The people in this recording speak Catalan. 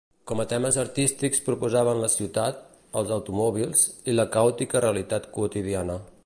Com a temes artístics proposaven la ciutat, els automòbils i la caòtica realitat quotidiana.